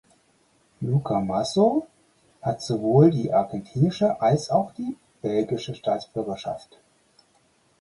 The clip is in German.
Luca Masso hat sowohl die argentinische als auch die belgische Staatsbürgerschaft.